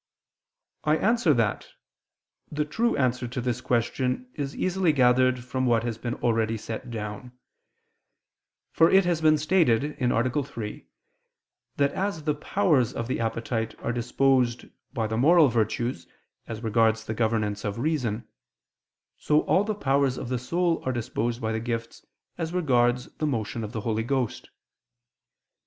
I answer that, The true answer to this question is easily gathered from what has been already set down. For it has been stated (A. 3) that as the powers of the appetite are disposed by the moral virtues as regards the governance of reason, so all the powers of the soul are disposed by the gifts as regards the motion of the Holy Ghost.